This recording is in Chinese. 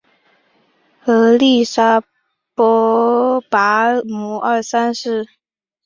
曷利沙跋摩三世。